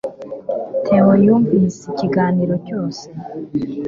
Theo yumvise ikiganiro cyose